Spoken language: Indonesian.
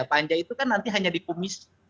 panja itu kan nanti hanya di komisi